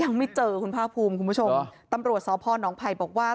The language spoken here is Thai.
ยังไม่เจอคุณภาคภูมิคุณผู้ชมตำรวจสพนภัยบอกว่า